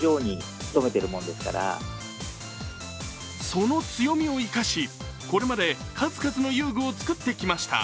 その強みを生かし、これまで数々の遊具を作ってきました。